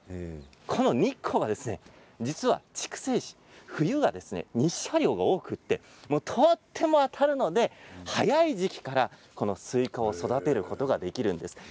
この日光は実は、筑西市、冬は日射量が多くてとても当たるので早い時期からスイカを育てることができるんです。